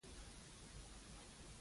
پیاله له غم نه هم پټېږي.